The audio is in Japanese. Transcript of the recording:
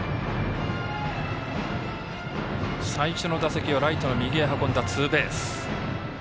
最初の打席はライトの右へ運んだツーベース。